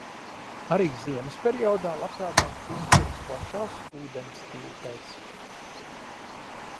Arī ziemas periodā labprātāk uzturas plašās ūdenstilpēs.